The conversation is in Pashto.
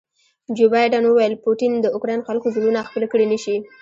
جو بایډن وویل پوټین د اوکراین خلکو زړونه خپل کړي نه شي.